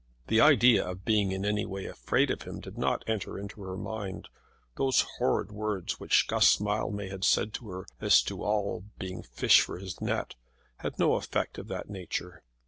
The idea of being in any way afraid of him did not enter into her mind. Those horrid words which Guss Mildmay had said to her, as to all being fish for his net, had no effect of that nature.